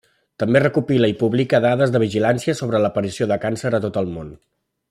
També recopila i publica dades de vigilància sobre l'aparició de càncer a tot el món.